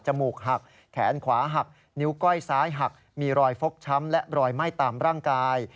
มูกหักแขนขวาหักนิ้วก้อยซ้ายหักมีรอยฟกช้ำและรอยไหม้ตามร่างกาย